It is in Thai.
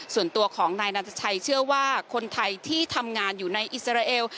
ส่วนตัวของนายนัทชัยเชื่อว่าคนไทยที่ทำงานอยู่ในอิสราเอล